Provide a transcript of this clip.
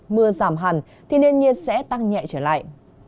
mưa giảm hẳn thì nền nhiệt sẽ tăng nhẹ trở lại